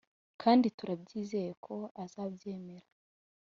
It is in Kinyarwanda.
kandi turabyizeye ko azabyemera ”